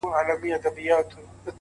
بې حیا یم _ بې شرفه په وطن کي _